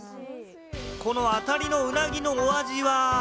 この当たりの鰻のお味は？